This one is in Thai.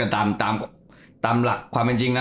แต่ตามความเป็นจริงนะ